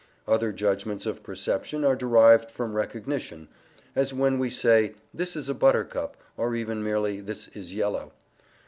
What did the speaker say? Other judgments of perception are derived from recognition, as when we say "this is a buttercup," or even merely "this is yellow."